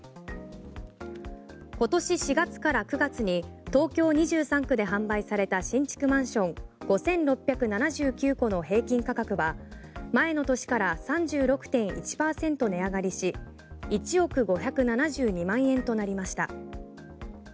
今年４月から９月に東京２３区で販売された新築マンション５６７９戸の平均価格は前の年から３６．１％値上がりし１億５７２万円となりました。